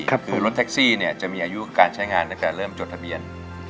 คือรถแท็กซี่จะมีอายุการใช้งานตั้งแต่เริ่มจดทะเบียน